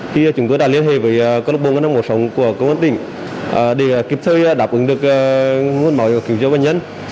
khi chúng tôi đã liên hệ với công an tỉnh để kịp thời đáp ứng được nguồn máu và kiểm tra bệnh nhân